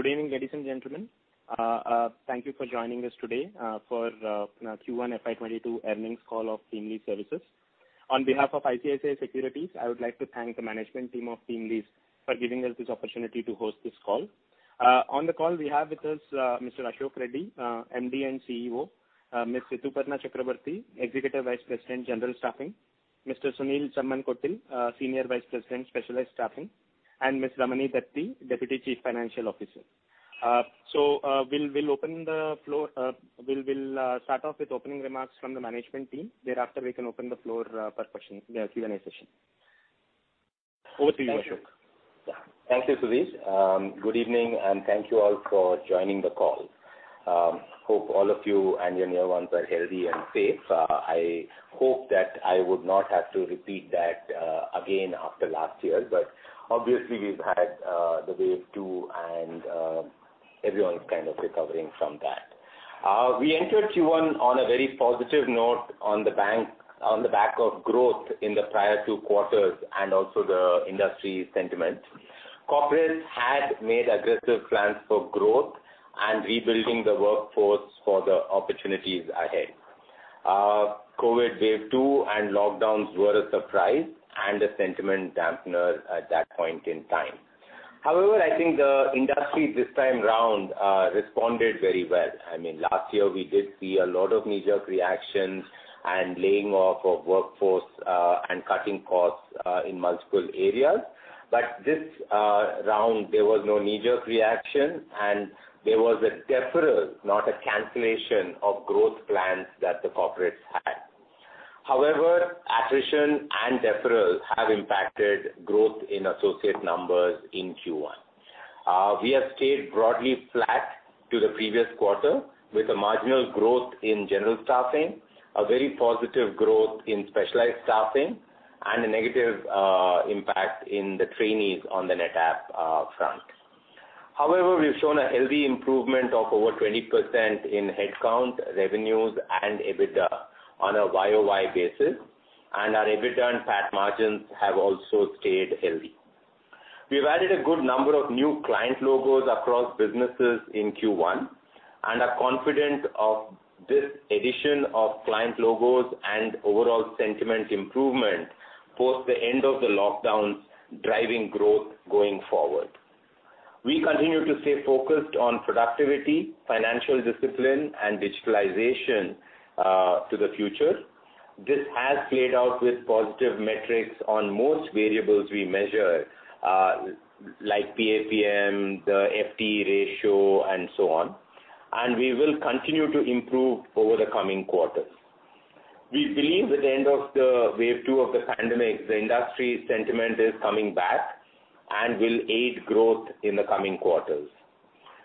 Good evening, ladies and gentlemen. Thank you for joining us today for Q1 FY22 earnings call of TeamLease Services. On behalf of ICICI Securities, I would like to thank the management team of TeamLease for giving us this opportunity to host this call. On the call we have with us Mr. Ashok Reddy, MD and CEO, Ms. Rituparna Chakraborty, Executive Vice President, General Staffing, Mr. Sunil Chemmankotil, Senior Vice President, Specialized Staffing, and Ms. Ramani Dathi, Deputy Chief Financial Officer. We'll start off with opening remarks from the management team. Thereafter, we can open the floor for Q&A session. Over to you, Ashok. Thank you, Sudhir. Good evening, and thank you all for joining the call. Hope all of you and your near ones are healthy and safe. I hope that I would not have to repeat that again after last year, but obviously we've had the wave two and everyone's kind of recovering from that. We entered Q1 on a very positive note on the back of growth in the prior two quarters and also the industry sentiment. Corporates had made aggressive plans for growth and rebuilding the workforce for the opportunities ahead. COVID wave two and lockdowns were a surprise and a sentiment dampener at that point in time. I think the industry this time around responded very well. Last year we did see a lot of knee-jerk reactions and laying off of workforce and cutting costs in multiple areas. This round there was no knee-jerk reaction and there was a deferral, not a cancellation of growth plans that the corporates had. Attrition and deferral have impacted growth in associate numbers in Q1. We have stayed broadly flat to the previous quarter with a marginal growth in general staffing, a very positive growth in specialized staffing, and a negative impact in the trainees on the NETAP front. We've shown a healthy improvement of over 20% in headcount, revenues, and EBITDA on a YoY basis, and our EBITDA and PAT margins have also stayed healthy. We've added a good number of new client logos across businesses in Q1 and are confident of this addition of client logos and overall sentiment improvement post the end of the lockdowns driving growth going forward. We continue to stay focused on productivity, financial discipline, and digitalization to the future. This has played out with positive metrics on most variables we measure, like PAPM, the FTE ratio and so on. We will continue to improve over the coming quarters. We believe with the end of the wave two of the pandemic, the industry sentiment is coming back and will aid growth in the coming quarters.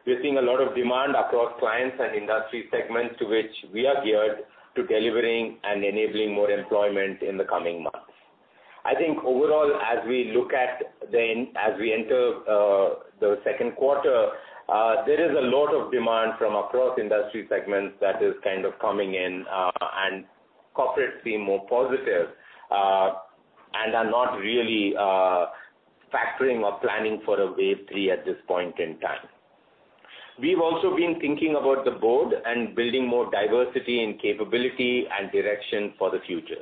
We are seeing a lot of demand across clients and industry segments to which we are geared to delivering and enabling more employment in the coming months. I think overall, as we enter the second quarter, there is a lot of demand from across industry segments that is kind of coming in, and corporates seem more positive and are not really factoring or planning for a wave three at this point in time. We have also been thinking about the board and building more diversity in capability and direction for the future.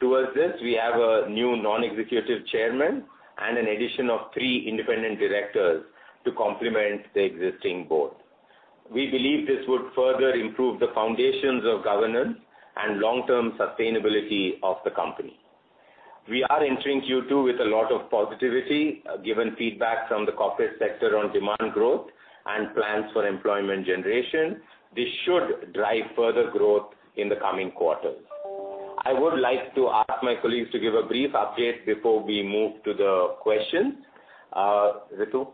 Towards this, we have a new non-executive chairman and an addition of three independent directors to complement the existing board. We believe this would further improve the foundations of governance and long-term sustainability of the company. We are entering Q2 with a lot of positivity given feedback from the corporate sector on demand growth and plans for employment generation. This should drive further growth in the coming quarters. I would like to ask my colleagues to give a brief update before we move to the questions. Ritu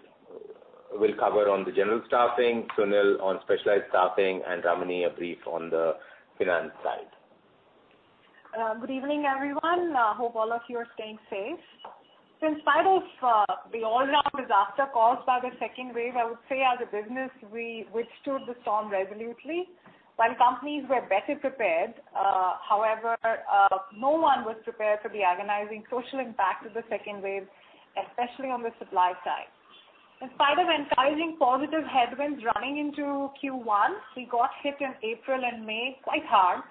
will cover on the general staffing, Sunil on specialized staffing, and Ramani, a brief on the finance side. Good evening, everyone. Hope all of you are staying safe. In spite of the all-around disaster caused by the second wave, I would say as a business we withstood the storm resolutely. While companies were better prepared, however, no one was prepared for the agonizing social impact of the second wave, especially on the supply side. In spite of encouraging positive headwinds running into Q1, we got hit in April and May quite hard,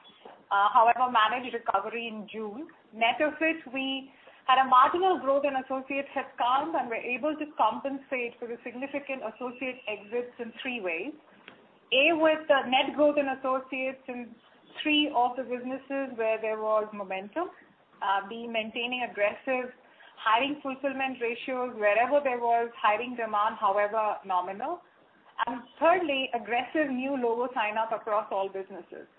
however, managed recovery in June. Net of which we had a marginal growth in associate headcount and were able to compensate for the significant associate exits in three ways. A, with a net growth in associates in three of the businesses where there was momentum. B, maintaining aggressive hiring fulfillment ratios wherever there was hiring demand, however nominal. Thirdly, aggressive new logo sign-up across all businesses.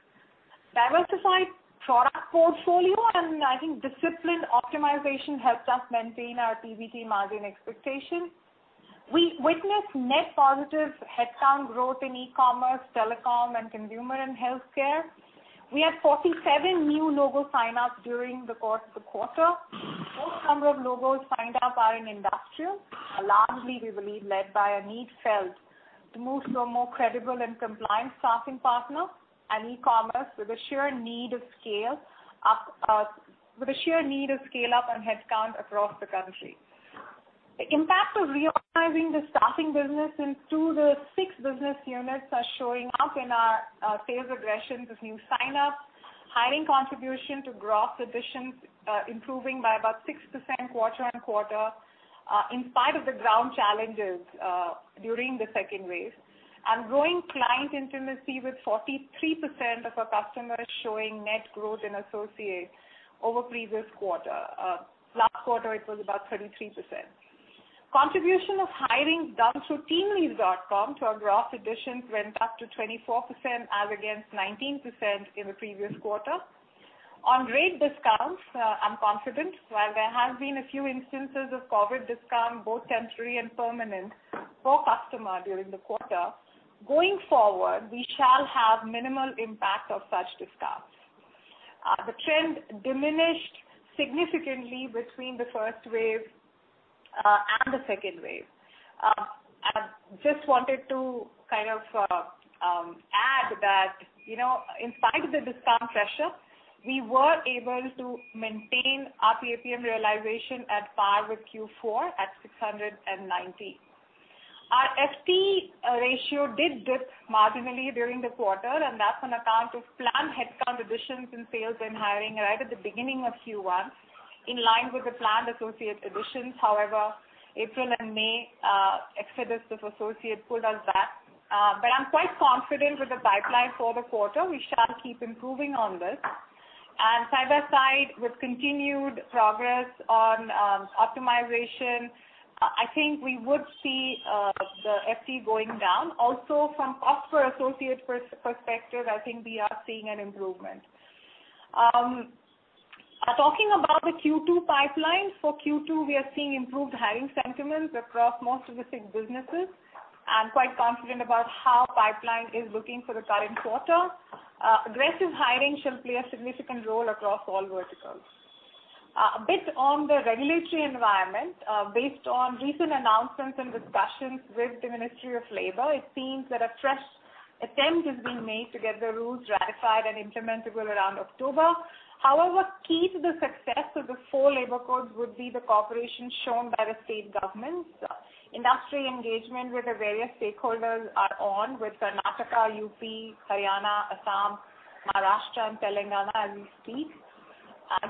Diversified product portfolio and I think disciplined optimization helped us maintain our PBT margin expectation. We witnessed net positive headcount growth in e-commerce, telecom, and consumer and healthcare. We had 47 new logo sign-ups during the course of the quarter. Most number of logos signed up are in industrial, largely we believe led by a need felt to move to a more credible and compliant staffing partner and e-commerce with a sheer need to scale up and headcount across the country. The impact of reorganizing the staffing business into the six business units are showing up in our sales aggression with new sign-ups, hiring contribution to gross additions improving by about 6% quarter-on-quarter in spite of the ground challenges during the second wave. Growing client intimacy with 43% of our customers showing net growth in associates over the previous quarter. Last quarter it was about 33%. Contribution of hiring done through teamlease.com to our gross additions went up to 24% as against 19% in the previous quarter. On rate discounts, I'm confident while there have been a few instances of COVID discount, both temporary and permanent, per customer during the quarter, going forward, we shall have minimal impact of such discounts. The trend diminished significantly between the first wave and the second wave. I just wanted to add that in spite of the discount pressure, we were able to maintain our PAPM realization at par with Q4 at 690. Our FT ratio did dip marginally during the quarter, and that's on account of planned headcount additions in sales and hiring right at the beginning of Q1, in line with the planned associate additions. However, April and May exodus of associates pulled us back. I'm quite confident with the pipeline for the quarter. We shall keep improving on this. Side by side, with continued progress on optimization, I think we would see the FTE going down. Also from cost per associate perspective, I think we are seeing an improvement. Talking about the Q2 pipeline. For Q2, we are seeing improved hiring sentiments across most of the six businesses. I'm quite confident about how the pipeline is looking for the current quarter. Aggressive hiring shall play a significant role across all verticals. A bit on the regulatory environment. Based on recent announcements and discussions with the Ministry of Labour, it seems that a fresh attempt is being made to get the rules ratified and implemented well around October. However, key to the success of the four labour codes would be the cooperation shown by the state governments. Industry engagement with the various stakeholders are on with Karnataka, U.P., Haryana, Assam, Maharashtra, and Telangana as we speak.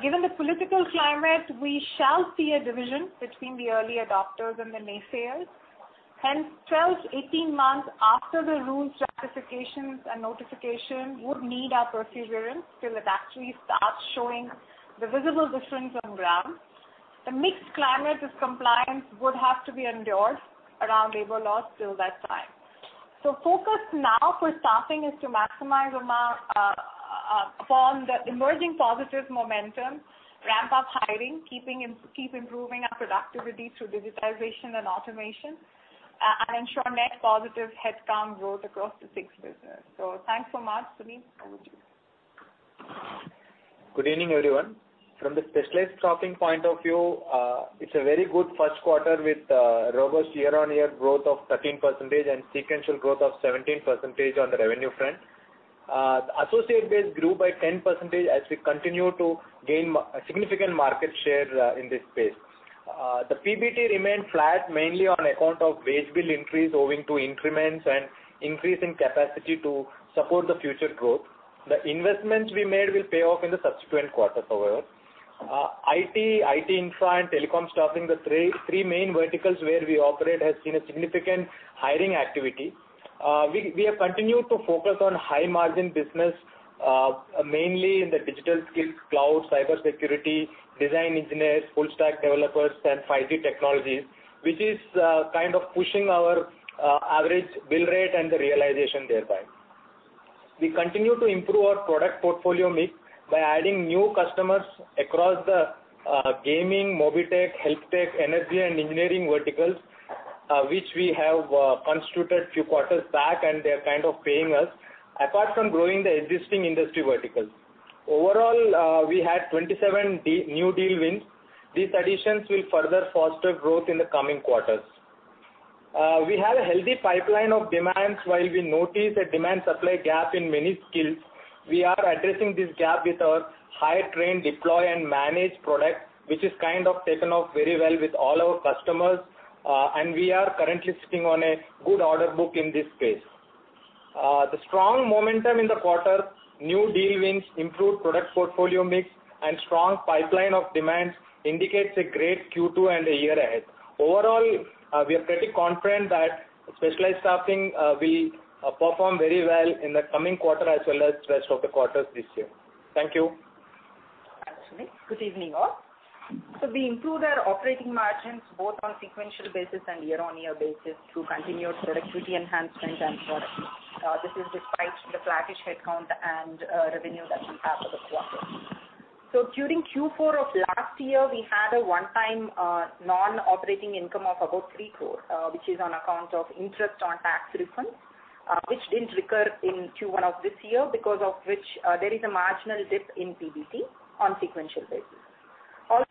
Given the political climate, we shall see a division between the early adopters and the naysayers. Hence, 12-18 months after the rules ratifications and notification would need our perseverance till it actually starts showing the visible difference on ground. A mixed climate of compliance would have to be endured around labor laws till that time. Focus now for staffing is to maximize upon the emerging positive momentum, ramp up hiring, keep improving our productivity through digitization and automation, and ensure net positive headcount growth across the six businesses. Thanks so much. Sunil, over to you. Good evening, everyone. From the specialized staffing point of view, it's a very good first quarter with robust year-on-year growth of 13% and sequential growth of 17% on the revenue front. Associate base grew by 10% as we continue to gain significant market share in this space. The PBT remained flat mainly on account of wage bill increase owing to increments and increase in capacity to support the future growth. The investments we made will pay off in the subsequent quarters, however. IT infra, and telecom staffing, the three main verticals where we operate, has seen significant hiring activity. We have continued to focus on high-margin business, mainly in the digital skills, cloud, cybersecurity, design engineers, full stack developers, and 5G technologies, which is kind of pushing our average bill rate and the realization thereby. We continue to improve our product portfolio mix by adding new customers across the gaming, MobiTech, HealthTech, energy, and engineering verticals, which we have constituted a few quarters back, and they're kind of paying us, apart from growing the existing industry verticals. Overall, we had 27 new deal wins. These additions will further foster growth in the coming quarters. We have a healthy pipeline of demands while we notice a demand-supply gap in many skills. We are addressing this gap with our hire, train, deploy, and manage product, which has kind of taken off very well with all our customers, and we are currently sitting on a good order book in this space. The strong momentum in the quarter, new deal wins, improved product portfolio mix, and strong pipeline of demands indicates a great Q2 and a year ahead. Overall, we are pretty confident that Specialized Staffing will perform very well in the coming quarter as well as the rest of the quarters this year. Thank you. Thanks, Sunil. Good evening, all. We improved our operating margins both on sequential basis and year-on-year basis through continued productivity enhancement and product. This is despite the flattish headcount and revenue that we have for the quarter. During Q4 of last year, we had a one-time non-operating income of about 3 crore, which is on account of interest on tax refunds, which didn't recur in Q1 of this year, because of which there is a marginal dip in PBT on sequential basis.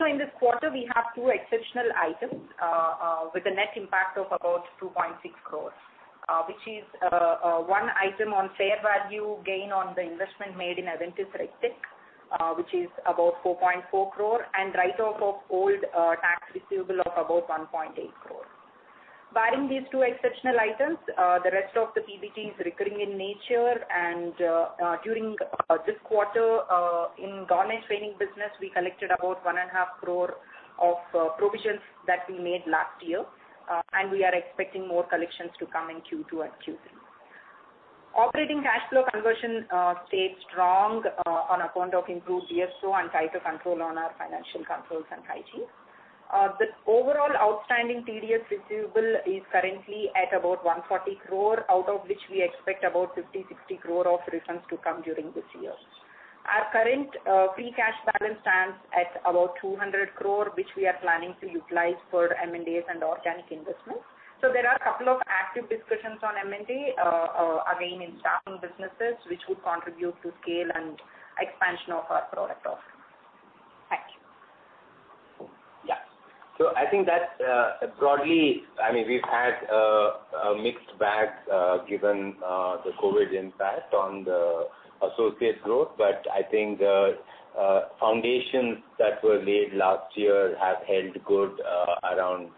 In this quarter, we have two exceptional items with a net impact of about 2.6 crore, which is one item on fair value gain on the investment made in Avantis RegTech, which is about 4.4 crore and write-off of old tax receivable of about 1.8 crore. Barring these two exceptional items, the rest of the PBT is recurring in nature. During this quarter, in garment training business, we collected about 1.5 crore of provisions that we made last year. We are expecting more collections to come in Q2 and Q3. Operating cash flow conversion stayed strong on account of improved DSO and tighter control on our financial controls and hygiene. The overall outstanding TDS receivable is currently at about 140 crore, out of which we expect about 50 crore-60 crore of refunds to come during this year. Our current free cash balance stands at about 200 crore, which we are planning to utilize for M&As and organic investments. There are a couple of active discussions on M&A, again, in staffing businesses, which would contribute to scale and expansion of our product offering. Thank you. Yeah. I think that broadly, we've had a mixed bag, given the COVID impact on the associate growth. I think the foundations that were laid last year have held good around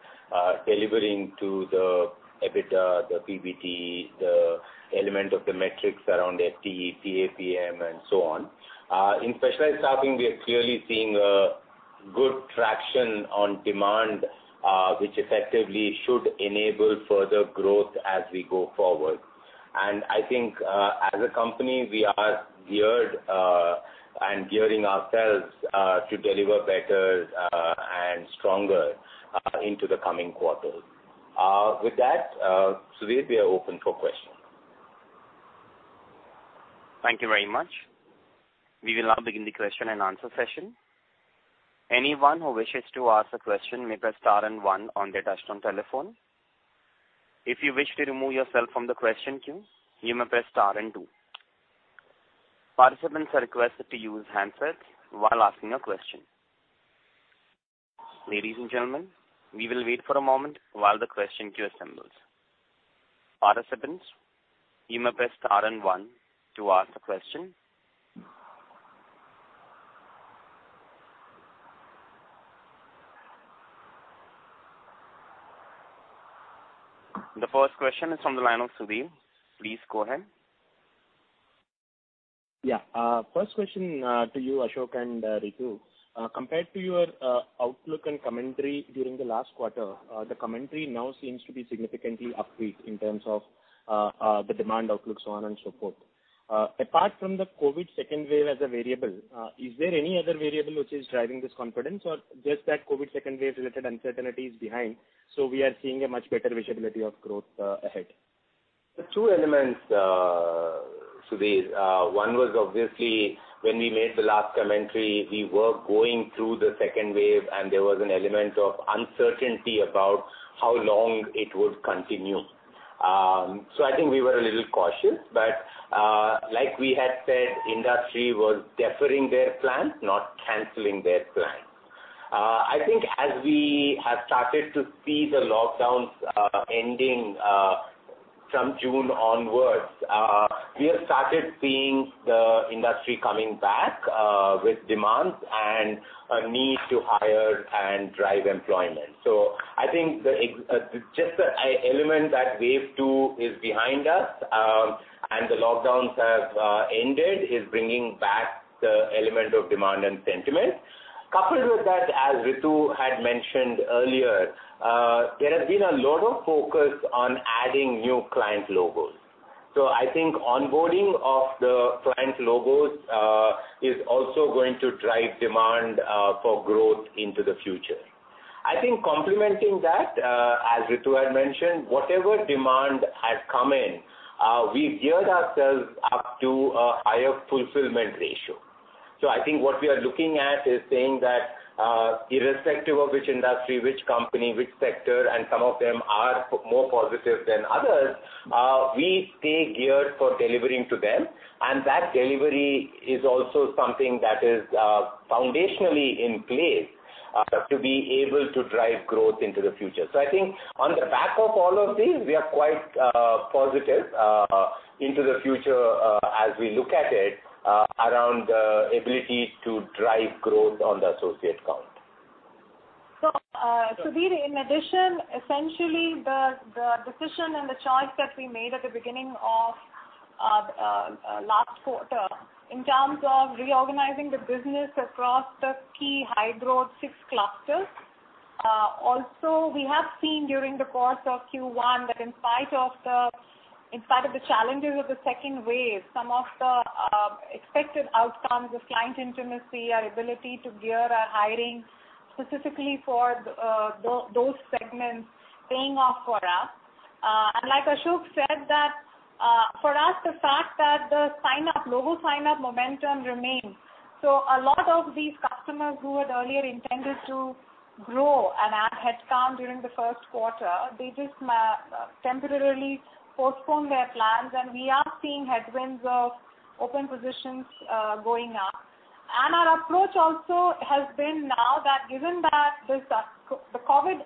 delivering to the EBITDA, the PBT, the element of the metrics around FTE, PAPM and so on. In specialized staffing, we are clearly seeing good traction on demand, which effectively should enable further growth as we go forward. I think, as a company, we are geared and gearing ourselves to deliver better and stronger into the coming quarters. With that, Sudhir, we are open for questions. Thank you very much. We will now begin the question and answer session. Anyone who wishes to ask a question may press star and one on their touch-tone telephone. If you wish to remove yourself from the question queue, you may press star and two. Participants are requested to use handsets while asking a question. Ladies and gentlemen, we will wait for a moment while the question queue assembles. Participants, you may press star and one to ask a question. The first question is from the line of Sudhir. Please go ahead. First question to you, Ashok and Ritu. Compared to your outlook and commentary during the last quarter, the commentary now seems to be significantly upbeat in terms of the demand outlook, so on and so forth. Apart from the COVID second wave as a variable, is there any other variable which is driving this confidence? Or just that COVID second wave related uncertainty is behind, so we are seeing a much better visibility of growth ahead. There are two elements, Sudhir. One was obviously when we made the last commentary, we were going through the second wave, there was an element of uncertainty about how long it would continue. I think we were a little cautious, like we had said, industry was deferring their plans, not canceling their plans. I think as we have started to see the lockdowns ending from June onwards, we have started seeing the industry coming back with demands and a need to hire and drive employment. I think just the element that wave two is behind us and the lockdowns have ended is bringing back the element of demand and sentiment. Coupled with that, as Ritu had mentioned earlier, there has been a lot of focus on adding new client logos. I think onboarding of the client logos is also going to drive demand for growth into the future. I think complementing that, as Ritu had mentioned, whatever demand has come in, we've geared ourselves up to a higher fulfillment ratio. I think what we are looking at is saying that irrespective of which industry, which company, which sector, and some of them are more positive than others, we stay geared for delivering to them, and that delivery is also something that is foundationally in place to be able to drive growth into the future. I think on the back of all of these, we are quite positive into the future as we look at it around the ability to drive growth on the associate count. Sudhir, in addition, essentially the decision and the choice that we made at the beginning of last quarter in terms of reorganizing the business across the key high-growth six clusters. Also, we have seen during the course of Q1 that in spite of the challenges of the second wave, some of the expected outcomes of client intimacy, our ability to gear our hiring specifically for those segments paying off for us. Like Ashok said, that for us, the fact that the logo signup momentum remains. A lot of these customers who had earlier intended to grow and add headcount during the 1st quarter, they just temporarily postponed their plans, and we are seeing headwinds of open positions going up. Our approach also has been now that given that the COVID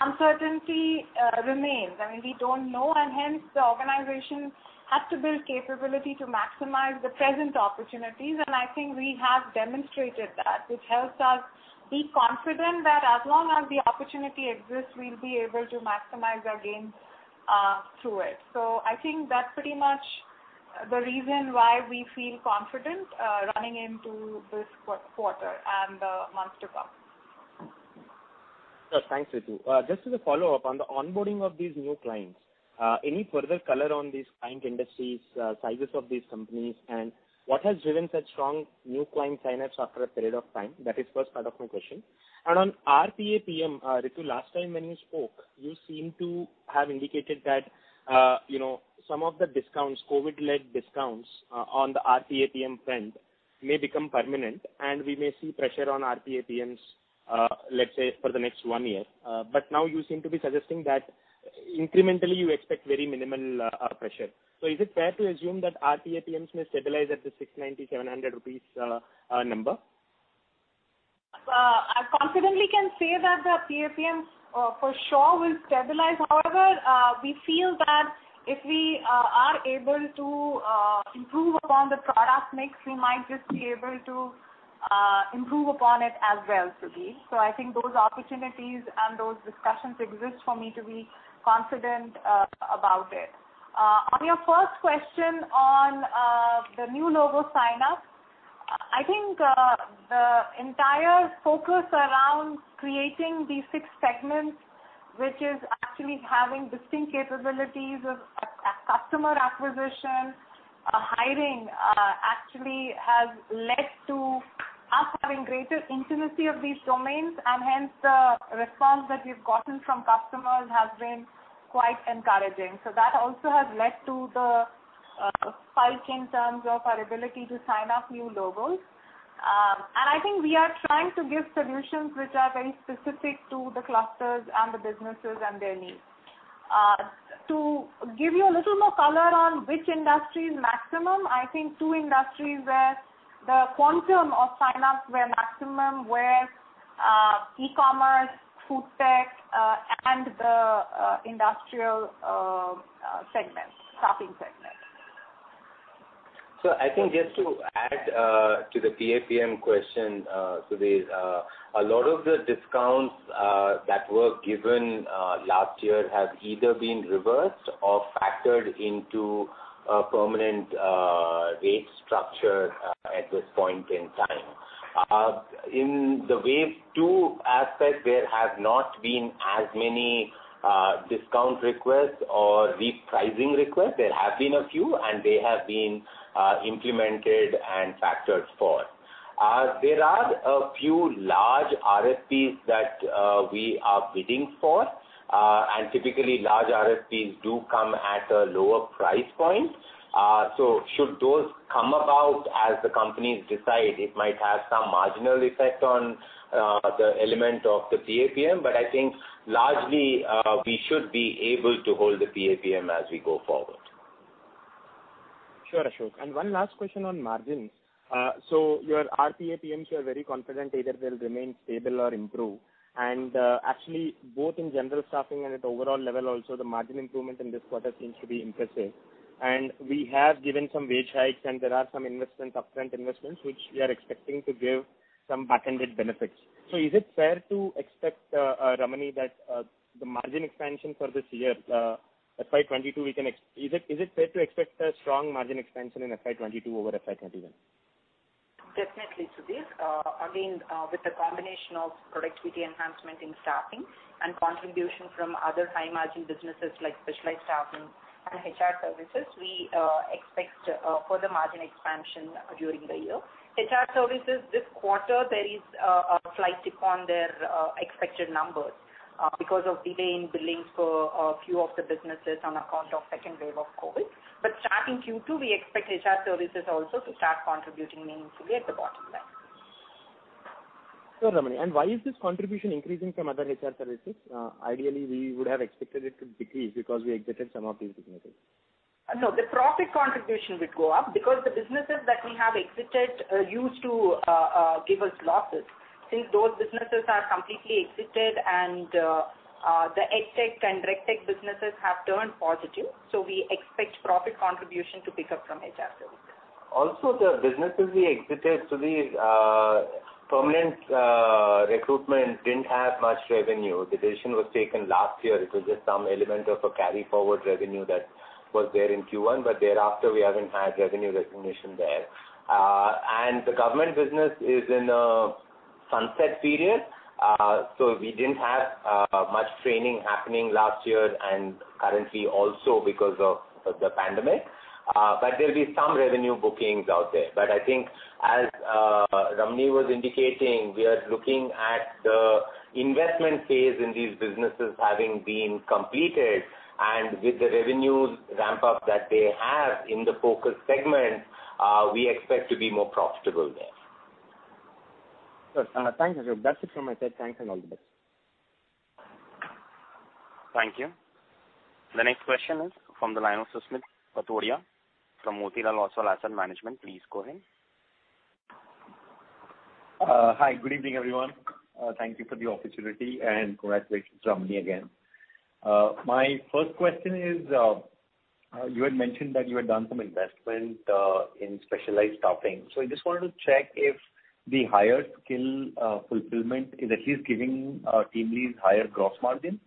uncertainty remains, we don't know, and hence the organization has to build capability to maximize the present opportunities. I think we have demonstrated that, which helps us be confident that as long as the opportunity exists, we'll be able to maximize our gains through it. I think that's pretty much the reason why we feel confident running into this quarter and the months to come. Sure. Thanks, Ritu. Just as a follow-up, on the onboarding of these new clients, any further color on these client industries, sizes of these companies, and what has driven such strong new client sign-ups after a period of time? That is first part of my question. On RPAPM, Ritu, last time when you spoke, you seem to have indicated that some of the COVID-led discounts on the RPAPM front may become permanent, and we may see pressure on RPAPMs, let's say, for the next one year. Now you seem to be suggesting that incrementally you expect very minimal pressure. Is it fair to assume that RPAPMs may stabilize at the 690 rupees, 700 rupees number? I confidently can say that the PAPMs for sure will stabilize. However, we feel that if we are able to improve upon the product mix, we might just be able to improve upon it as well, Sudhir. I think those opportunities and those discussions exist for me to be confident about it. On your first question on the new logo sign-ups. I think the entire focus around creating these six segments, which is actually having distinct capabilities of customer acquisition, hiring, actually has led to us having greater intimacy of these domains, and hence the response that we've gotten from customers has been quite encouraging. That also has led to the spike in terms of our ability to sign up new logos. I think we are trying to give solutions which are very specific to the clusters and the businesses and their needs. To give you a little more color on which industry is maximum, I think two industries where the quantum of sign-ups were maximum were E-commerce, food tech, and the industrial staffing segment. I think just to add to the PAPM question, Sudhir. A lot of the discounts that were given last year have either been reversed or factored into a permanent rate structure at this point in time. In the wave two aspect, there have not been as many discount requests or repricing requests. There have been a few, and they have been implemented and factored for. There are a few large RFPs that we are bidding for. Typically, large RFPs do come at a lower price point. Should those come about as the companies decide, it might have some marginal effect on the element of the PAPM. I think largely, we should be able to hold the PAPM as we go forward. Sure, Ashok. One last question on margins. Your RPAPM, you are very confident either they'll remain stable or improve. Actually, both in general staffing and at overall level also, the margin improvement in this quarter seems to be impressive. We have given some wage hikes, and there are some upfront investments which we are expecting to give some back-ended benefits. Is it fair to expect, Ramani, that the margin expansion for this year, FY 2022, is it fair to expect a strong margin expansion in FY 2022 over FY 2021? Definitely, Sudhir. Again, with the combination of productivity enhancement in staffing and contribution from other high-margin businesses like Specialized Staffing and HR Services, we expect further margin expansion during the year. HR Services this quarter, there is a slight tick on their expected numbers because of delay in billings for a few of the businesses on account of second wave of COVID. Starting Q2, we expect HR Services also to start contributing meaningfully at the bottom line. Sure, Ramani. Why is this contribution increasing from other HR services? Ideally, we would have expected it to decrease because we exited some of these businesses. The profit contribution would go up because the businesses that we have exited used to give us losses. Since those businesses are completely exited and the EdTech and RegTech businesses have turned positive, we expect profit contribution to pick up from HR services. The businesses we exited, Sudhir, permanent recruitment didn't have much revenue. The decision was taken last year. It was just some element of a carry-forward revenue that was there in Q1, but thereafter, we haven't had revenue recognition there. The government business is in a sunset period. We didn't have much training happening last year and currently also because of the pandemic. There'll be some revenue bookings out there. I think as Ramani was indicating, we are looking at the investment phase in these businesses having been completed, and with the revenue ramp-up that they have in the focus segment, we expect to be more profitable there. Sure. Thanks, Ashok. That's it from my side. Thanks, and all the best. Thank you. The next question is from the line of Susmit Patodia from Motilal Oswal Asset Management. Please go ahead. Hi, good evening, everyone. Thank you for the opportunity, and congratulations, Ramani, again. My first question is, you had mentioned that you had done some investment in specialized staffing. I just wanted to check if the higher skill fulfillment is at least giving TeamLease higher gross margin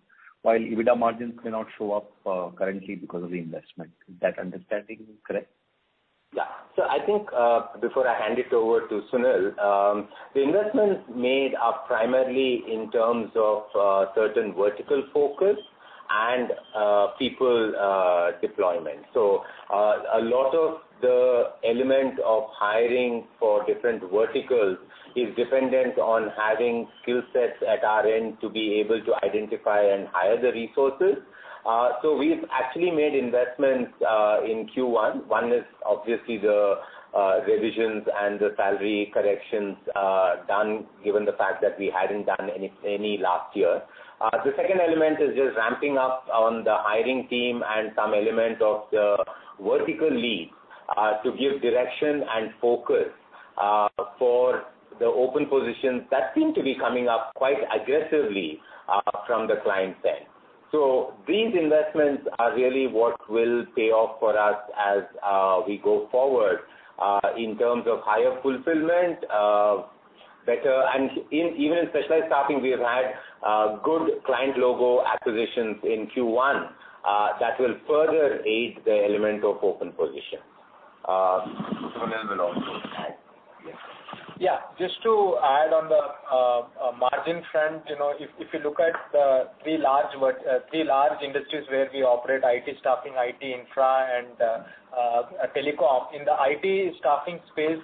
while EBITDA margins may not show up currently because of the investment. Is that understanding correct? Yeah. I think, before I hand it over to Sunil, the investments made are primarily in terms of certain vertical focus and people deployment. A lot of the element of hiring for different verticals is dependent on having skill sets at our end to be able to identify and hire the resources. We've actually made investments in Q1. One is obviously the revisions and the salary corrections done, given the fact that we hadn't done any last year. The second element is just ramping up on the hiring team and some element of the vertical leads to give direction and focus for the open positions that seem to be coming up quite aggressively from the client side. These investments are really what will pay off for us as we go forward in terms of higher fulfillment. Even in Specialized Staffing, we have had good client logo acquisitions in Q1 that will further aid the element of open positions. Sunil will also add, yes. Just to add on the margin front, if you look at the three large industries where we operate, IT staffing, IT infra, and telecom. In the IT staffing space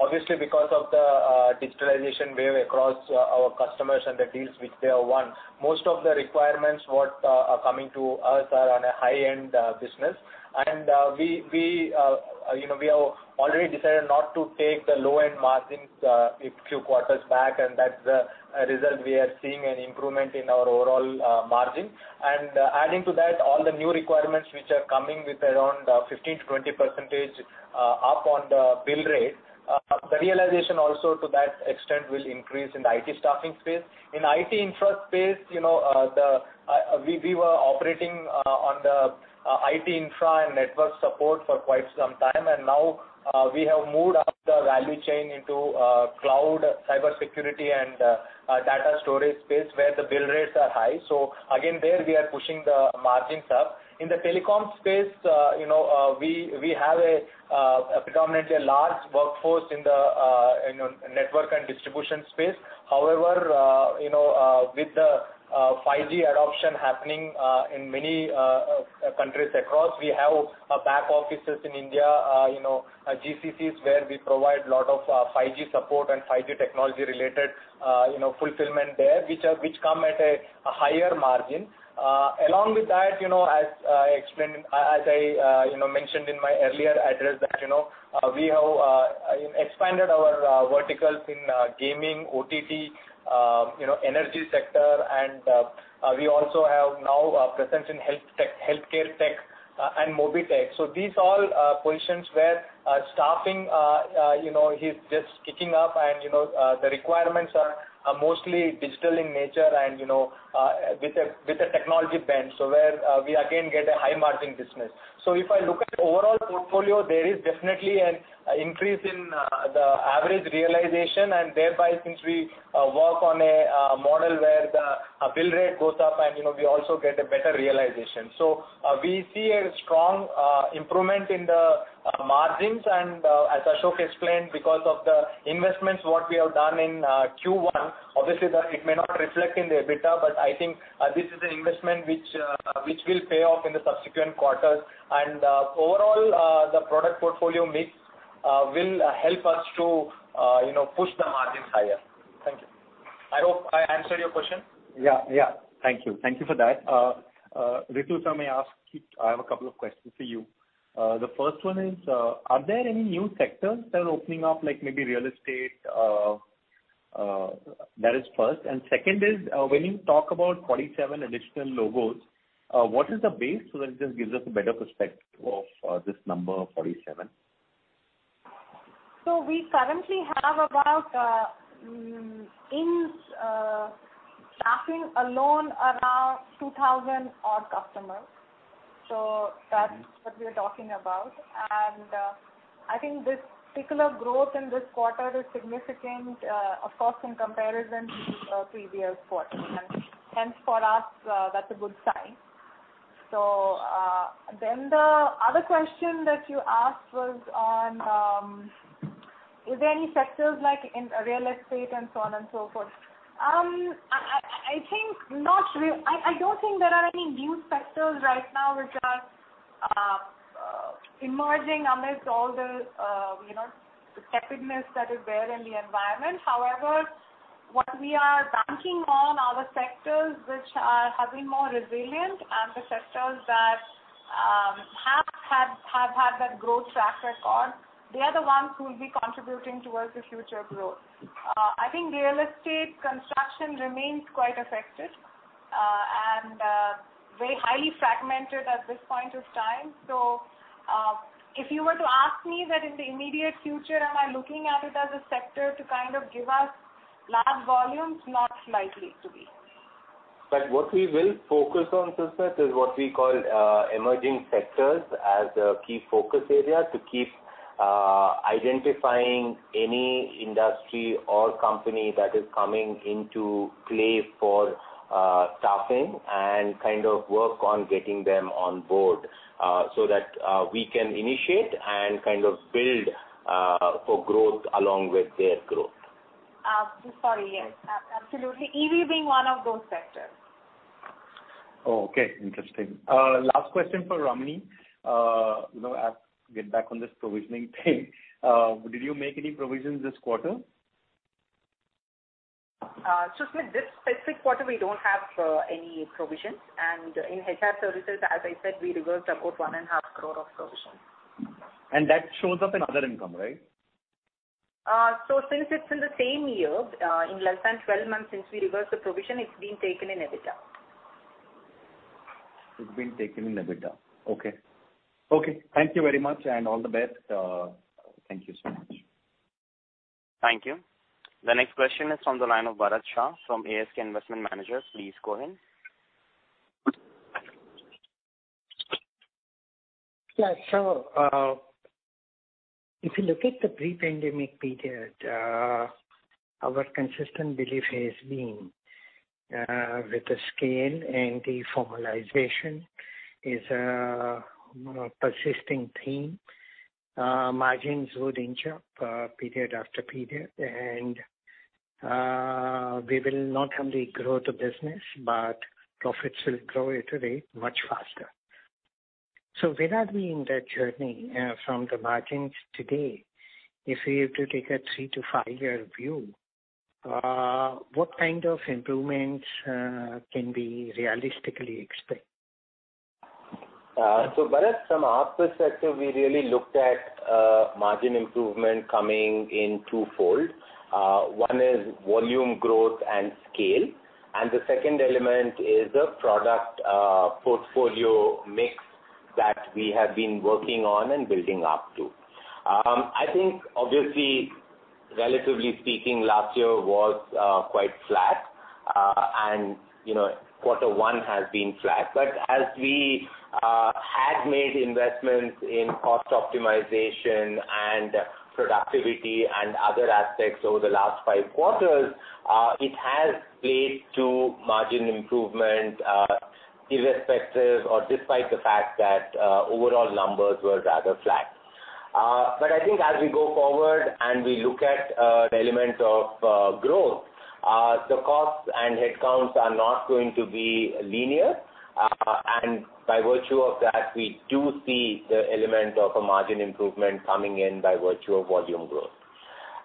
obviously because of the digitalization wave across our customers and the deals which they have won, most of the requirements what are coming to us are on a high-end business. We have already decided not to take the low-end margins a few quarters back, and that's the result. We are seeing an improvement in our overall margin. Adding to that, all the new requirements which are coming with around 15%-20% up on the bill rate. The realization also to that extent will increase in the IT staffing space. In IT infra space, we were operating on the IT infra and network support for quite some time. Now we have moved up the value chain into cloud, cybersecurity, and data storage space where the bill rates are high. Again, there we are pushing the margins up. In the telecom space, we have predominantly a large workforce in the network and distribution space. With the 5G adoption happening in many countries across, we have back offices in India, GCCs where we provide lot of 5G support and 5G technology-related fulfillment there, which come at a higher margin. Along with that, as I mentioned in my earlier address that we have expanded our verticals in gaming, OTT, energy sector and we also have now a presence in HealthTech and MobiTech. These all are positions where staffing is just kicking up and the requirements are mostly digital in nature and with a technology bent, so where we again get a high-margin business. If I look at overall portfolio, there is definitely an increase in the average realization and thereby since we work on a model where the bill rate goes up and we also get a better realization. We see a strong improvement in the margins and as Ashok explained, because of the investments, what we have done in Q1, obviously it may not reflect in the EBITDA, but I think this is an investment which will pay off in the subsequent quarters. Overall, the product portfolio mix will help us to push the margins higher. Thank you. I hope I answered your question. Yeah. Thank you. Thank you for that. Ritu, may I ask you, I have a couple of questions for you. The first one is, are there any new sectors that are opening up, like maybe real estate? That is first. Second is, when you talk about 47 additional logos, what is the base? So that it just gives us a better perspective of this number 47. We currently have about, in staffing alone, around 2,000 odd customers. That's what we're talking about. I think this particular growth in this quarter is significant, of course, in comparison to the previous quarter, and hence for us, that's a good sign. The other question that you asked was on, is there any sectors like in real estate and so on and so forth? I don't think there are any new sectors right now which are emerging amidst all the scarcity that is there in the environment. However, what we are banking on are the sectors which are having more resilient and the sectors that Have had that growth track record. They are the ones who will be contributing towards the future growth. I think real estate construction remains quite affected and very highly fragmented at this point of time. If you were to ask me that in the immediate future, am I looking at it as a sector to kind of give us large volumes? Not likely to be. What we will focus on, Susmit, is what we call emerging sectors as a key focus area to keep identifying any industry or company that is coming into play for staffing and kind of work on getting them on board so that we can initiate and kind of build for growth along with their growth. Sorry. Yes. Absolutely. EV being one of those sectors. Okay, interesting. Last question for Ramani. I'll get back on this provisioning thing. Did you make any provisions this quarter? Susmit, this specific quarter, we don't have any provisions, and in HR Services, as I said, we reversed about one and a half crore of provision. That shows up in other income, right? Since it's in the same year, in less than 12 months since we reversed the provision, it's been taken in EBITDA. It's been taken in EBITDA. Okay. Thank you very much and all the best. Thank you so much. Thank you. The next question is from the line of Bharat Shah from ASK Investment Managers. Please go ahead. If you look at the pre-pandemic period, our consistent belief has been with the scale and the formalization is a persisting theme. Margins would inch up period after period, and we will not only grow the business, but profits will grow at a rate much faster. Where are we in that journey from the margins today? If we have to take a three to five year view, what kind of improvements can we realistically expect? Bharat, from our perspective, we really looked at margin improvement coming in two fold. One is volume growth and scale, and the second element is the product portfolio mix that we have been working on and building up to. I think, obviously, relatively speaking, last year was quite flat. Quarter one has been flat, but as we had made investments in cost optimization and productivity and other aspects over the last five quarters, it has played to margin improvement, irrespective or despite the fact that overall numbers were rather flat. I think as we go forward and we look at the element of growth, the costs and headcounts are not going to be linear. By virtue of that, we do see the element of a margin improvement coming in by virtue of volume growth.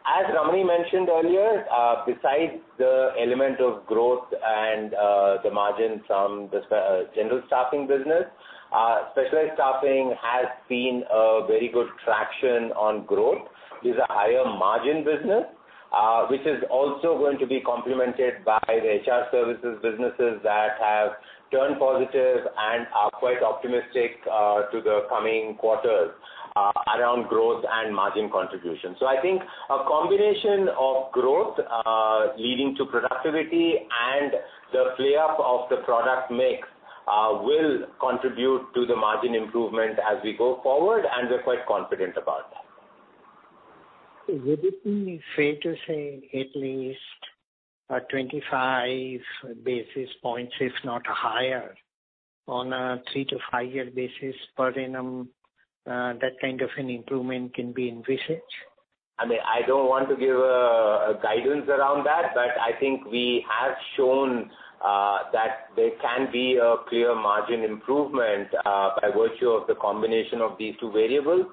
As Ramani mentioned earlier, besides the element of growth and the margin from the general staffing business, specialized staffing has seen a very good traction on growth. It is a higher margin business which is also going to be complemented by the HR Services businesses that have turned positive and are quite optimistic to the coming quarters around growth and margin contribution. I think a combination of growth leading to productivity and the play up of the product mix will contribute to the margin improvement as we go forward, and we're quite confident about that. Would it be fair to say at least a 25 basis points, if not higher, on a three to five year basis per annum, that kind of an improvement can be envisaged? I don't want to give a guidance around that, but I think we have shown that there can be a clear margin improvement by virtue of the combination of these two variables,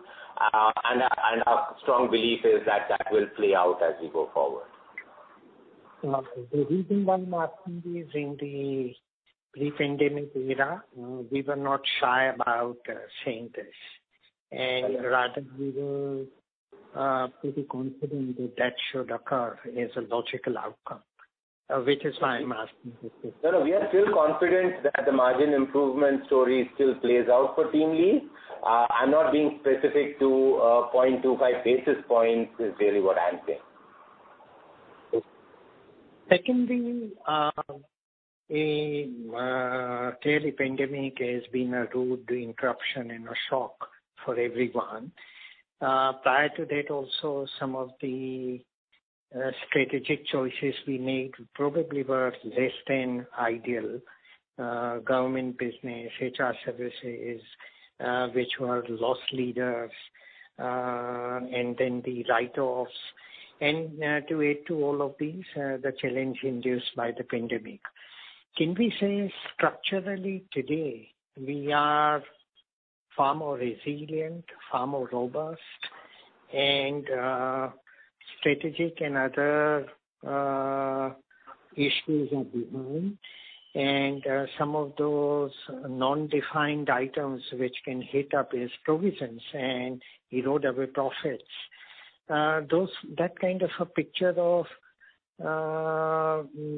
and our strong belief is that, that will play out as we go forward. The reason why I'm asking is in the pre-pandemic era, we were not shy about saying this, and rather we were pretty confident that should occur is a logical outcome, which is why I'm asking this question. No, no. We are still confident that the margin improvement story still plays out for TeamLease. I'm not being specific to 0.25 basis points is really what I'm saying. Okay. Secondly, clearly pandemic has been a rude interruption and a shock for everyone. Prior to that, also some of the strategic choices we made probably were less than ideal. Government business, HR Services which were loss leaders, and then the write-offs. To add to all of these, the challenge induced by the pandemic. Can we say structurally today, we are far more resilient, far more robust? Strategic and other issues are behind. Some of those non-defined items which can hit up its provisions and erode away profits. That kind of a picture of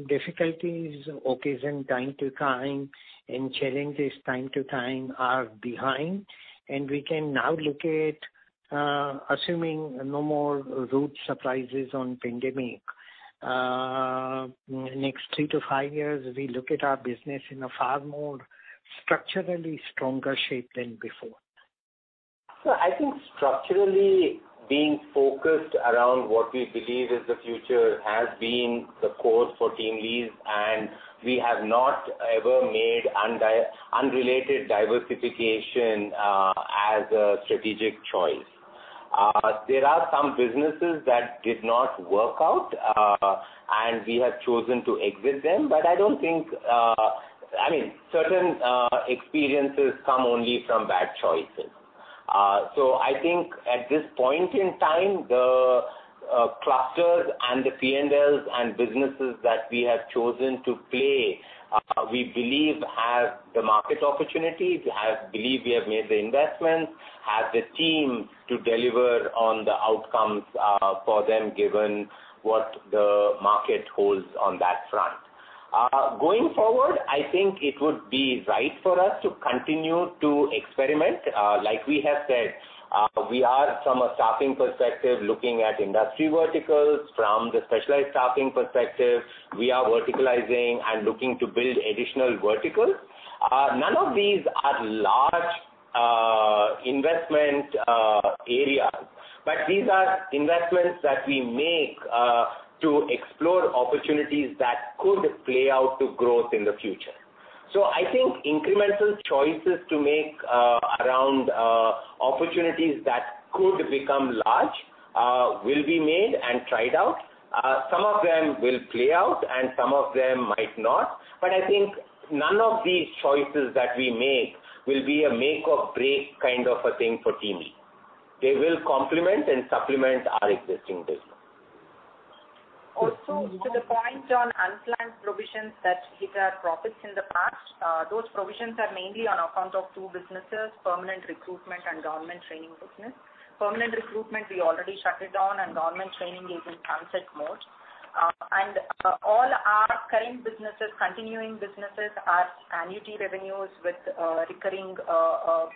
difficulties occur time to time and challenges time to time are behind, and we can now look at assuming no more rude surprises on pandemic. Next three to five years, we look at our business in a far more structurally stronger shape than before. I think structurally being focused around what we believe is the future has been the course for TeamLease, and we have not ever made unrelated diversification as a strategic choice. There are some businesses that did not work out, and we have chosen to exit them. Certain experiences come only from bad choices. I think at this point in time, the clusters and the P&Ls and businesses that we have chosen to play, we believe have the market opportunity, believe we have made the investments, have the team to deliver on the outcomes for them given what the market holds on that front. Going forward, I think it would be right for us to continue to experiment. Like we have said, we are from a staffing perspective, looking at industry verticals. From the specialized staffing perspective, we are verticalizing and looking to build additional verticals. None of these are large investment areas, but these are investments that we make to explore opportunities that could play out to growth in the future. I think incremental choices to make around opportunities that could become large will be made and tried out. Some of them will play out and some of them might not. I think none of these choices that we make will be a make or break kind of a thing for TeamLease. They will complement and supplement our existing business. To the point on unplanned provisions that hit our profits in the past. Those provisions are mainly on account of two businesses, permanent recruitment and government training business. Permanent recruitment, we already shut it down. Government training is in sunset mode. All our current businesses, continuing businesses are annuity revenues with recurring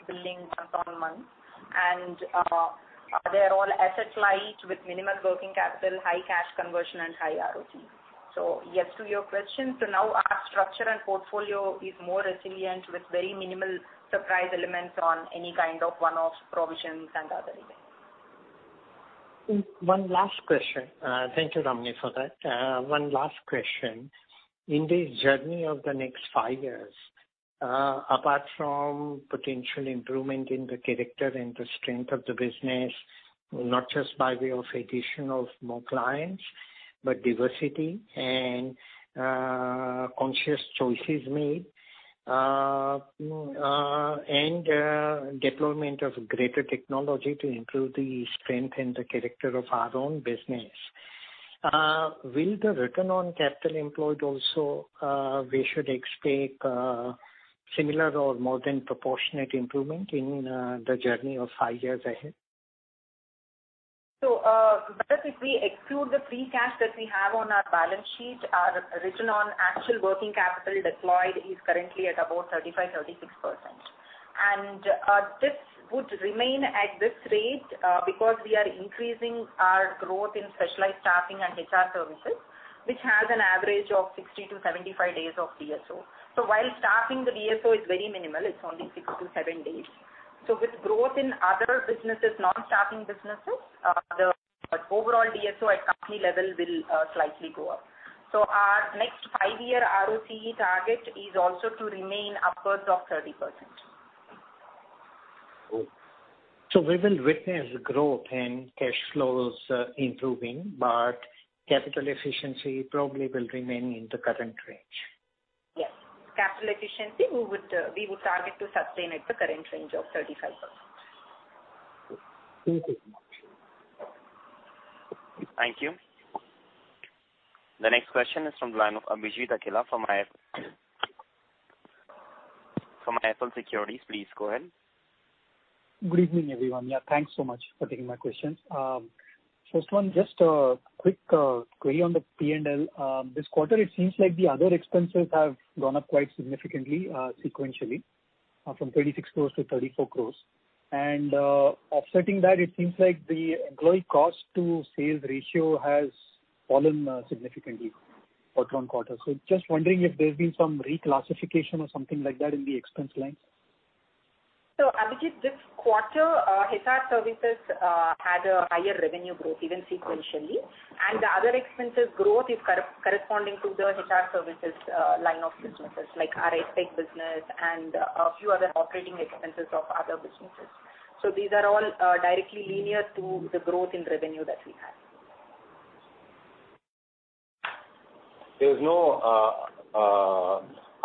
billing month on month. They're all asset light with minimal working capital, high cash conversion and high ROCE. Yes to your question. Now our structure and portfolio is more resilient with very minimal surprise elements on any kind of one-off provisions and other events. One last question. Thank you, Ramani, for that. One last question. In this journey of the next five years, apart from potential improvement in the character and the strength of the business, not just by way of addition of more clients, but diversity and conscious choices made, and deployment of greater technology to improve the strength and the character of our own business. Will the return on capital employed also, we should expect similar or more than proportionate improvement in the journey of five years ahead? Bharat, if we exclude the free cash that we have on our balance sheet, our return on actual working capital deployed is currently at about 35%-36%. This would remain at this rate because we are increasing our growth in Specialized Staffing and HR services, which has an average of 60-75 days of DSO. While staffing the DSO is very minimal, it's only one to seven days. With growth in other businesses, non-staffing businesses, the overall DSO at company level will slightly go up. Our next five year ROCE target is also to remain upwards of 30%. We will witness growth and cash flows improving, but capital efficiency probably will remain in the current range. Yes. Capital efficiency, we would target to sustain at the current range of 35%. Thank you. Thank you. The next question is from the line of Abhijit Akella from IIFL Securities. Please go ahead. Good evening, everyone. Yeah, thanks so much for taking my questions. First one, just a quick query on the P&L. This quarter, it seems like the other expenses have gone up quite significantly, sequentially, from 36 crores to 34 crores. Offsetting that, it seems like the employee cost to sales ratio has fallen significantly quarter-on-quarter. Just wondering if there's been some reclassification or something like that in the expense lines. Abhijit, this quarter, HR Services had a higher revenue growth even sequentially. The other expenses growth is corresponding to the HR Services line of businesses like our EdTech business and a few other operating expenses of other businesses. These are all directly linear to the growth in revenue that we had. There was no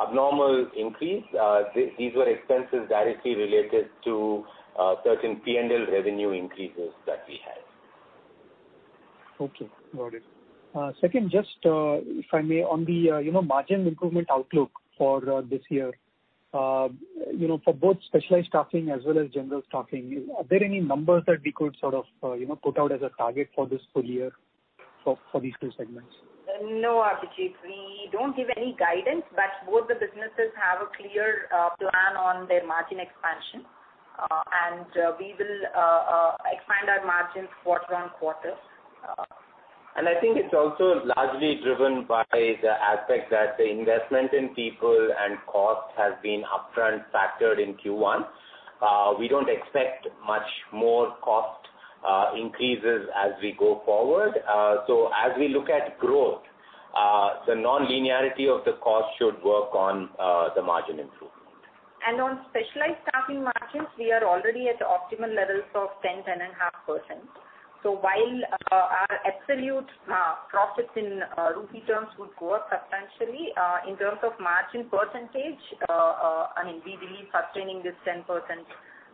abnormal increase. These were expenses directly related to certain P&L revenue increases that we had. Okay, got it. Second, just if I may, on the margin improvement outlook for this year, for both specialized staffing as well as general staffing, are there any numbers that we could sort of put out as a target for this full year for these two segments? No, Abhijit, we don't give any guidance. Both the businesses have a clear plan on their margin expansion. We will expand our margins quarter-on-quarter. I think it's also largely driven by the aspect that the investment in people and cost has been upfront factored in Q1. We don't expect much more cost increases as we go forward. As we look at growth, the non-linearity of the cost should work on the margin improvement. On specialized staffing margins, we are already at the optimum levels of 10%-10.5%. While our absolute profits in rupee terms would go up substantially, in terms of margin percentage, we believe sustaining this 10%.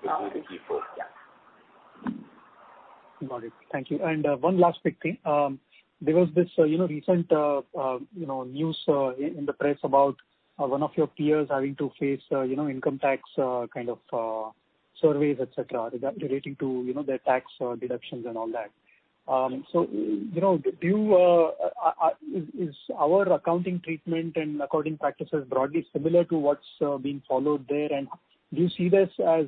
Will be the key focus. Yeah. Got it. Thank you. One last quick thing. There was this recent news in the press about one of your peers having to face income tax kind of surveys, et cetera, relating to their tax deductions and all that. Is our accounting treatment and accounting practices broadly similar to what's being followed there? Do you see this as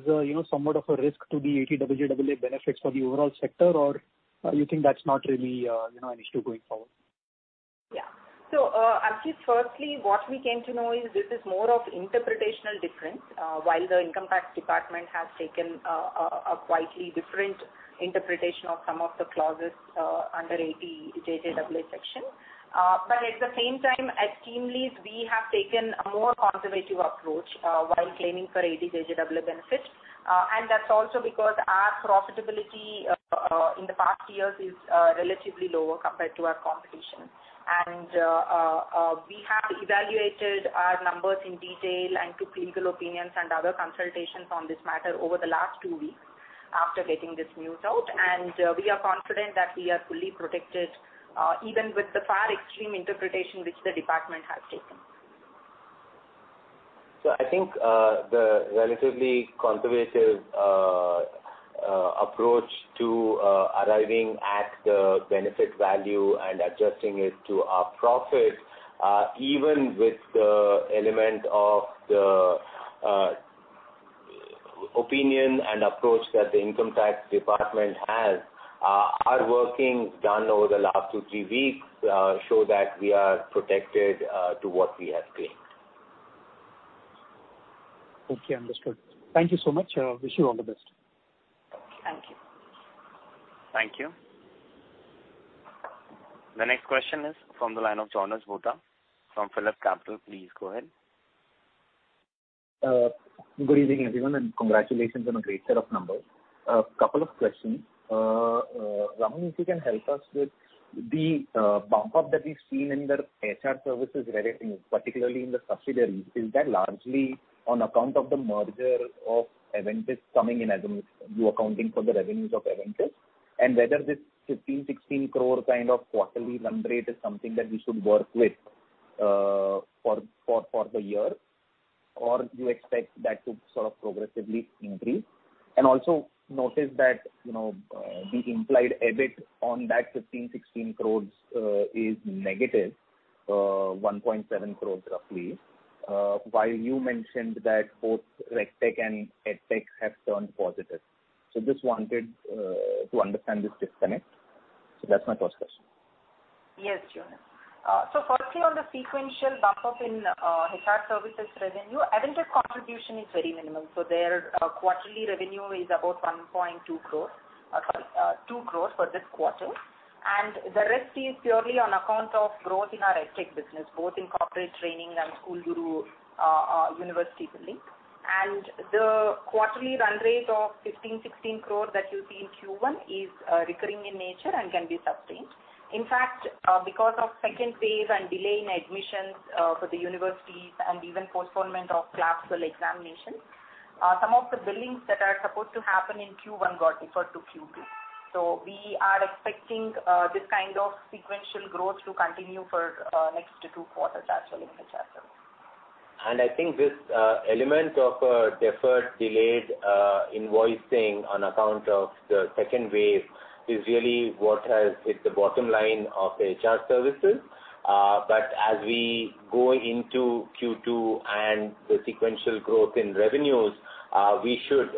somewhat of a risk to the 80JJAA benefits for the overall sector? You think that's not really an issue going forward? Abhijit, firstly, what we came to know is this is more of interpretational difference. While the income tax department has taken a quite different interpretation of some of the clauses under Section 80JJAA. At the same time, at TeamLease, we have taken a more conservative approach while claiming for Section 80JJAA benefits. That's also because our profitability in the past years is relatively lower compared to our competition. We have evaluated our numbers in detail and took legal opinions and other consultations on this matter over the last two weeks after getting this news out. We are confident that we are fully protected, even with the far extreme interpretation which the department has taken. I think the relatively conservative approach to arriving at the benefit value and adjusting it to our profit, even with the element of the opinion and approach that the income tax department has, our workings done over the last two, three weeks show that we are protected to what we have claimed. Okay, understood. Thank you so much. I wish you all the best. Thank you. Thank you. The next question is from the line of Jonas Bhutta from PhillipCapital. Please go ahead. Good evening, everyone. Congratulations on a great set of numbers. A couple of questions. Ramani, if you can help us with the bump up that we've seen in the HR services revenue, particularly in the subsidiaries. Is that largely on account of the merger of Avantis coming in as you're accounting for the revenues of Avantis? Whether this 15 crore, 16 crore kind of quarterly run rate is something that we should work with for the year, or do you expect that to sort of progressively increase? Also noticed that the implied EBIT on that 15 crore, 16 crore is -1.7 crore roughly, while you mentioned that both RegTech and EdTech have turned positive. Just wanted to understand this disconnect. That's my first question. Yes, Jonas. Firstly, on the sequential bump up in HR services revenue, Avantis contribution is very minimal. Their quarterly revenue is about 2 crores for this quarter, and the rest is purely on account of growth in our EdTech business, both in corporate training and SchoolGuru, university billing. The quarterly run rate of 15 crores-16 crores that you see in Q1 is recurring in nature and can be sustained. In fact, because of second phase and delay in admissions for the universities and even postponement of class or examinations, some of the billings that are supposed to happen in Q1 got deferred to Q2. We are expecting this kind of sequential growth to continue for next two quarters as well in HR services. I think this element of deferred, delayed invoicing on account of the second wave is really what has hit the bottom line of HR services. As we go into Q2 and the sequential growth in revenues, we should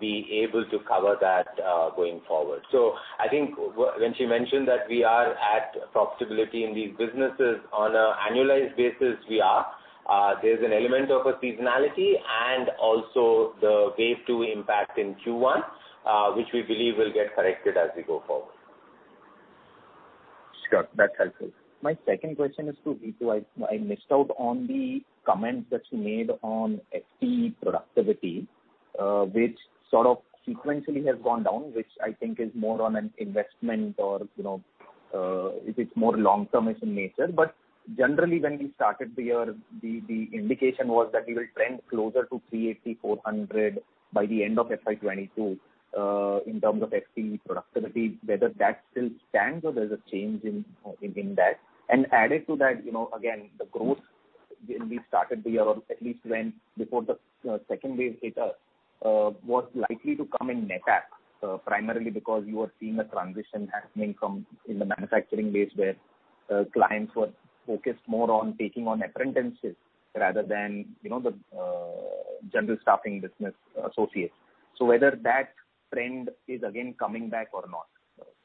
be able to cover that going forward. I think when she mentioned that we are at profitability in these businesses on an annualized basis, we are. There's an element of a seasonality and also the wave two impact in Q1, which we believe will get corrected as we go forward. Sure. That's helpful. My second question is to Ritu. I missed out on the comment that you made on FTE productivity, which sort of sequentially has gone down, which I think is more on an investment or if it's more long-term in nature. Generally, when we started the year, the indication was that we will trend closer to 380, 400 by the end of FY 2022 in terms of FTE productivity, whether that still stands or there's a change in that. Added to that again, the growth when we started the year, or at least when before the second wave hit us, was likely to come in NETAP, primarily because you were seeing a transition happening in the manufacturing base where clients were focused more on taking on apprentices rather than the general staffing business associates. Whether that trend is again coming back or not.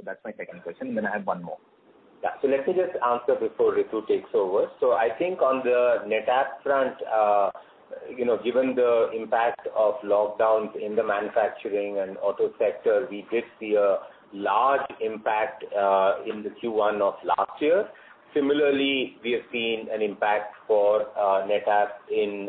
That's my second question, and then I have one more. Yeah. Let me just answer before Ritu takes over. I think on the NETAP front, given the impact of lockdowns in the manufacturing and auto sector, we did see a large impact in the Q1 of last year. Similarly, we have seen an impact for NETAP in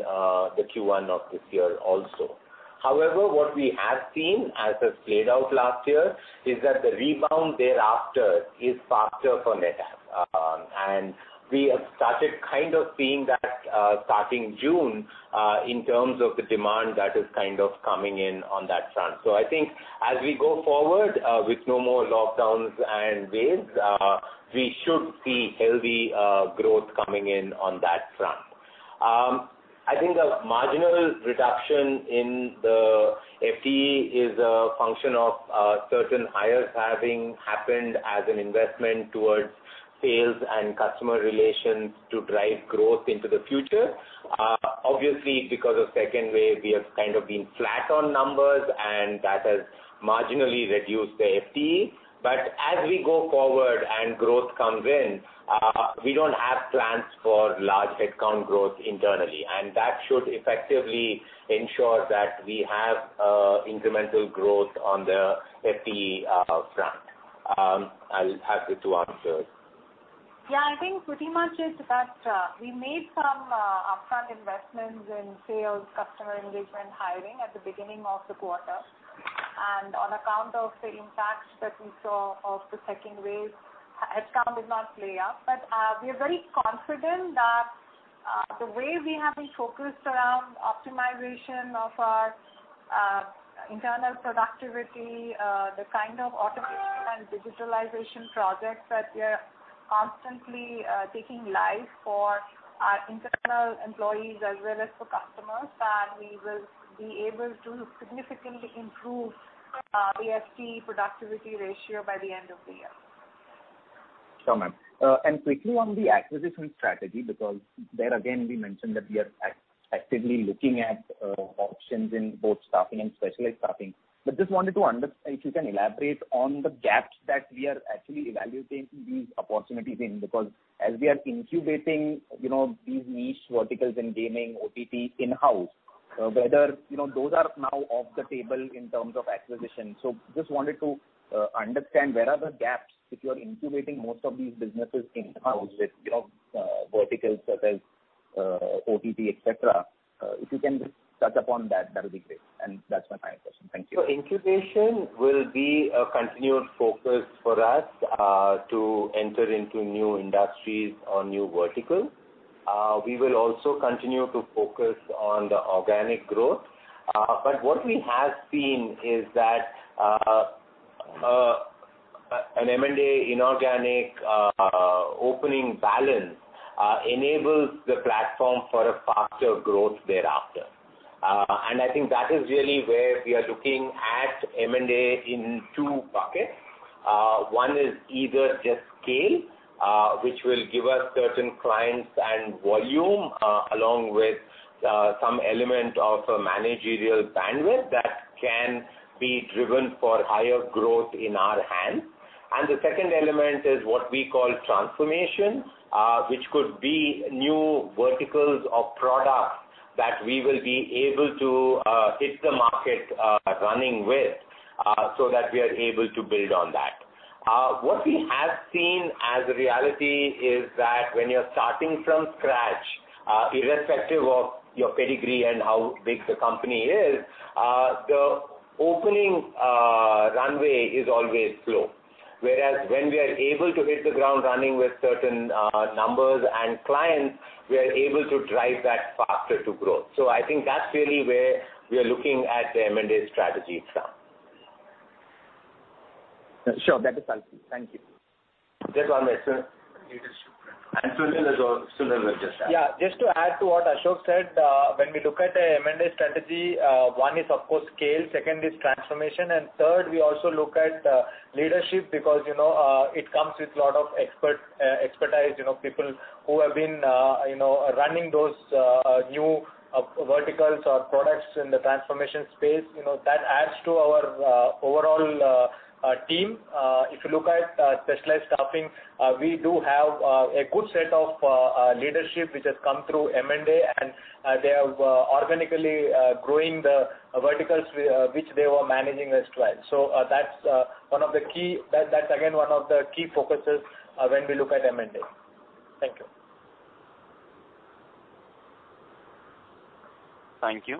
the Q1 of this year also. However, what we have seen as has played out last year is that the rebound thereafter is faster for NETAP. We have started kind of seeing that starting June in terms of the demand that is kind of coming in on that front. I think as we go forward with no more lockdowns and waves, we should see healthy growth coming in on that front. I think the marginal reduction in the FTE is a function of certain hires having happened as an investment towards sales and customer relations to drive growth into the future. Obviously, because of second wave, we have kind of been flat on numbers, and that has marginally reduced the FTE. As we go forward and growth comes in, we don't have plans for large headcount growth internally, and that should effectively ensure that we have incremental growth on the FTE front. I'll ask Ritu to answer. I think pretty much it's that we made some upfront investments in sales, customer engagement, hiring at the beginning of the quarter. On account of the impact that we saw of the second wave, headcount did not play out. We are very confident that the way we have been focused around optimization of our internal productivity, the kind of automation and digitalization projects that we are constantly taking live for our internal employees as well as for customers, that we will be able to significantly improve the FTE productivity ratio by the end of the year. Sure, ma'am. Quickly on the acquisition strategy, because there again, we mentioned that we are actively looking at options in both staffing and specialized staffing. Just wanted to understand if you can elaborate on the gaps that we are actually evaluating these opportunities in. As we are incubating these niche verticals in gaming, OTT in-house, whether those are now off the table in terms of acquisition. Just wanted to understand where are the gaps if you are incubating most of these businesses in-house with verticals such as OTT, et cetera. If you can just touch upon that will be great. That's my final question. Thank you. Incubation will be a continued focus for us to enter into new industries or new verticals. We will also continue to focus on the organic growth. What we have seen is that an M&A inorganic opening balance enables the platform for a faster growth thereafter. I think that is really where we are looking at M&A in two buckets. One is either just scale, which will give us certain clients and volume, along with some element of a managerial bandwidth that can be driven for higher growth in our hands. The second element is what we call transformation, which could be new verticals or products that we will be able to hit the market running with, so that we are able to build on that. What we have seen as a reality is that when you're starting from scratch, irrespective of your pedigree and how big the company is, the opening runway is always slow. When we are able to hit the ground running with certain numbers and clients, we are able to drive that faster to growth. I think that's really where we are looking at the M&A strategy from. Sure. That is helpful. Thank you. Just one minute, sir. Leadership Sunil as well. Sunil will just add. Yeah, just to add to what Ashok said, when we look at a M&A strategy, one is of course scale, second is transformation, and third, we also look at leadership because it comes with lot of expertise, people who have been running those new verticals or products in the transformation space. That adds to our overall team. If you look at specialized staffing, we do have a good set of leadership which has come through M&A, and they are organically growing the verticals which they were managing as well. That's again, one of the key focuses when we look at M&A. Thank you. Thank you.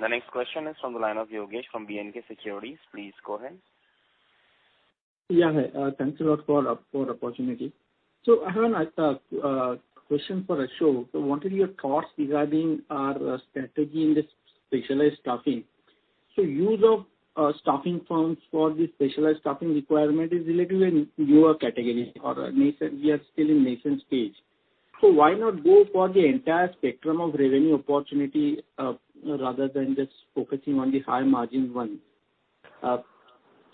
The next question is from the line of Yogesh from BNK Securities. Please go ahead. Yeah. Thanks a lot for the opportunity. I have a question for Ashok. What are your thoughts regarding our strategy in this specialized staffing? Use of staffing firms for the specialized staffing requirement is relatively newer category or we are still in nascent stage. Why not go for the entire spectrum of revenue opportunity, rather than just focusing on the high margin one?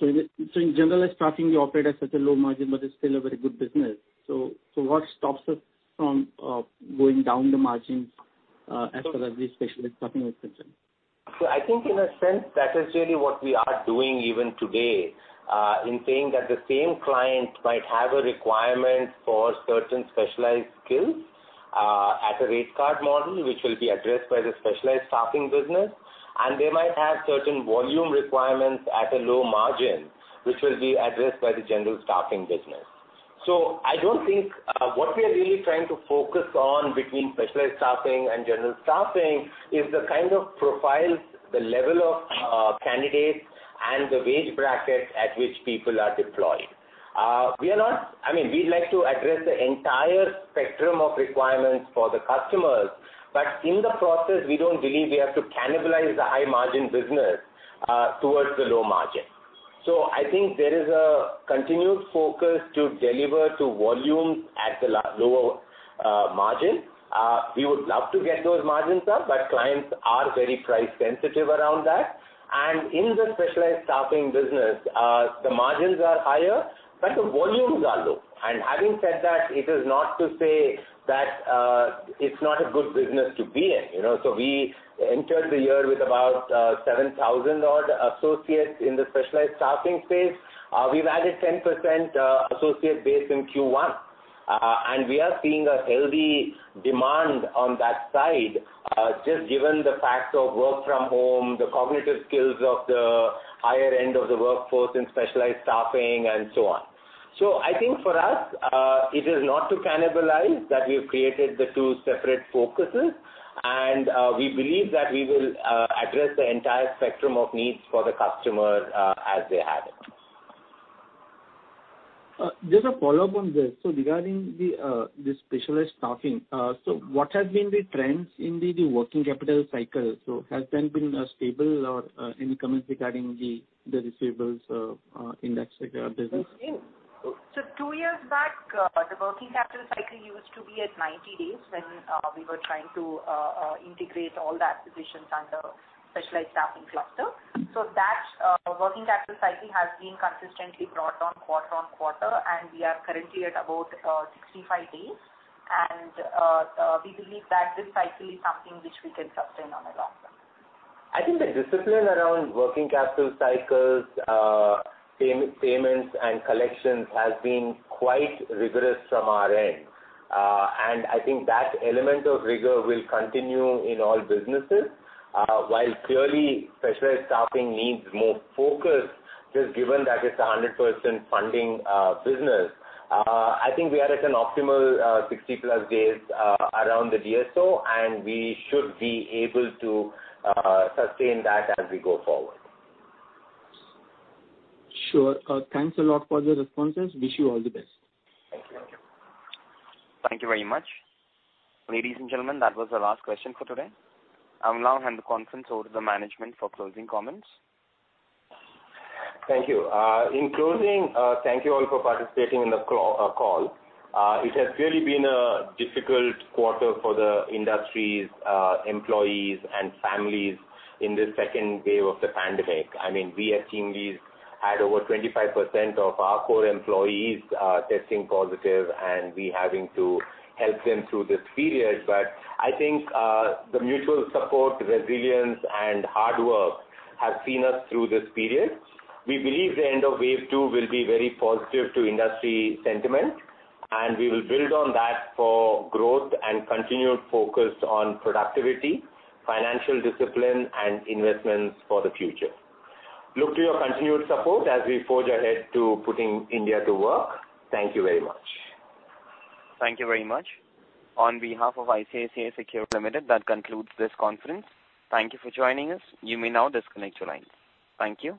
In general staffing, you operate at such a low margin, but it's still a very good business. What stops us from going down the margins, as far as this specialized staffing is concerned? I think in a sense, that is really what we are doing even today, in saying that the same client might have a requirement for certain specialized skills at a rate card model, which will be addressed by the specialized staffing business. They might have certain volume requirements at a low margin, which will be addressed by the general staffing business. What we are really trying to focus on between specialized staffing and general staffing is the kind of profiles, the level of candidates, and the wage bracket at which people are deployed. We'd like to address the entire spectrum of requirements for the customers. In the process, we don't believe we have to cannibalize the high-margin business towards the low margin. I think there is a continued focus to deliver to volumes at the lower margin. We would love to get those margins up, clients are very price sensitive around that. In the Specialized Staffing business, the margins are higher, but the volumes are low. Having said that, it is not to say that it's not a good business to be in. We entered the year with about 7,000 odd associates in the Specialized Staffing space. We've added 10% associate base in Q1. We are seeing a healthy demand on that side, just given the facts of work from home, the cognitive skills of the higher end of the workforce in Specialized Staffing, and so on. I think for us, it is not to cannibalize that we've created the two separate focuses. We believe that we will address the entire spectrum of needs for the customer, as they have it. Just a follow-up on this. Regarding the specialized staffing, what has been the trends in the working capital cycle? Has that been stable or any comments regarding the receivables in that sector of the business? Two years back, the working capital cycle used to be at 90 days when we were trying to integrate all the acquisitions under Specialized Staffing cluster. That working capital cycle has been consistently brought down quarter on quarter, and we are currently at about 65 days. We believe that this cycle is something which we can sustain on a long term. I think the discipline around working capital cycles, payments, and collections has been quite rigorous from our end. I think that element of rigor will continue in all businesses. While clearly Specialized Staffing needs more focus, just given that it's 100% funding business. I think we are at an optimal, 60+ days around the DSO, and we should be able to sustain that as we go forward. Sure. Thanks a lot for the responses. Wish you all the best. Thank you. Thank you very much. Ladies and gentlemen, that was our last question for today. I will now hand the conference over to management for closing comments. Thank you. In closing, thank you all for participating in the call. It has really been a difficult quarter for the industries, employees, and families in this second wave of the pandemic. We at TeamLease had over 25% of our core employees testing positive and we having to help them through this period. I think the mutual support, resilience, and hard work has seen us through this period. We believe the end of wave two will be very positive to industry sentiment. We will build on that for growth and continued focus on productivity, financial discipline, and investments for the future. Look to your continued support as we forge ahead to putting India to work. Thank you very much. Thank you very much. On behalf of ICICI Securities Limited, that concludes this conference. Thank you for joining us. You may now disconnect your lines. Thank you.